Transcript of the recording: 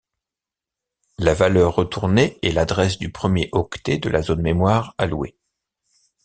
La valeur retournée est l'adresse du premier octet de la zone mémoire alloué.